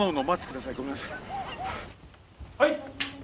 はい！